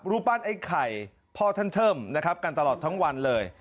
รูปปั้นไอ้ไข่พ่อท่านเทิมนะครับกันตลอดทั้งวันเลย